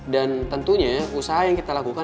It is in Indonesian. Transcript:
dan tentunya usaha yang kita lakukan